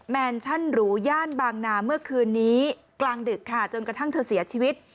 แมนชั่นหรูย่านบางนาเมื่อคืนนี้กลางดึกค่ะจนกระทั่งเธอเสียชีวิต